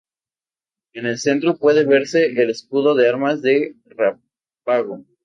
En el centro puede verse el escudo de armas de Rábago.